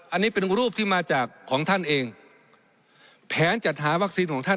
อันนี้เป็นรูปที่มาจากของท่านเองแผนจัดหาวัคซีนของท่าน